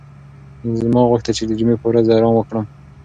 ما غوښتل چې د جمعې په ورځ ارام وکړم.